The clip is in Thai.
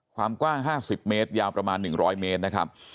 ความกว้าง๕๐เมตรยาวประมาณ๑๐๐เมตรนะครับ